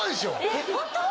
えっホント？